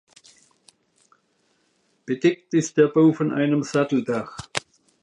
Bedeckt ist der Bau von einem Satteldach.